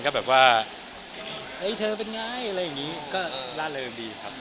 ก็แบบว่าเฮ้ยเธอเป็นไงอะไรอย่างนี้ก็ล่าเริงดีครับ